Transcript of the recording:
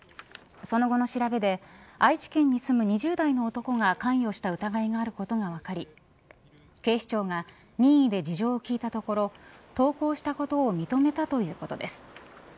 その後の調べで愛知県に住む２０代の男が関与した疑いがあることが分かり警視庁が任意で事情を聴いたところ投稿したことを認めたということです。